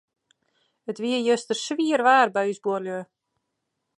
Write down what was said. It wie juster swier waar by ús buorlju.